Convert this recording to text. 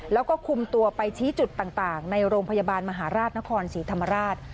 แล้วก็คุมตัวไปชี้จุดต่างในโรงพยาบาลมหาราชนครศรีธรรมราช